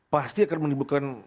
pasti akan menimbulkan